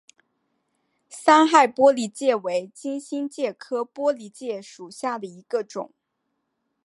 三害玻璃介为金星介科玻璃介属下的一个种。